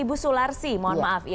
ibu sularsi mohon maaf